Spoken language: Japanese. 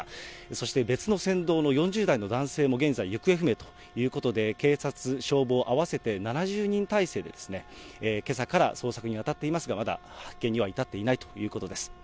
そして別の船頭の４０代の男性も、現在、行方不明ということで、警察、消防合わせて７０人態勢でけさから捜索に当たっていますが、まだ発見には至っていないということです。